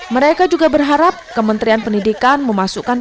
mereka juga berharap kementerian pendidikan memasukkan